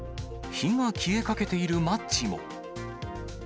火が消えかけているマッチも。